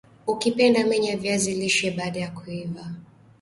Ukipenda menya viazi lishe baada ya kuiva